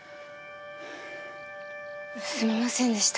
すみませんでした。